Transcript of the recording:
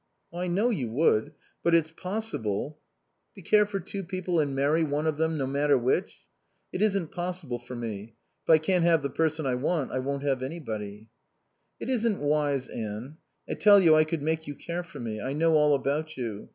"I know you would. But it's possible " "To care for two people and marry one of them, no matter which? It isn't possible for me. If I can't have the person I want I won't have anybody." "It isn't wise, Anne. I tell you I could make you care for me. I know all about you.